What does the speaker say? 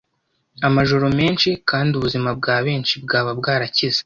amajoro menshi, kandi ubuzima bwa benshi bwaba bwarakize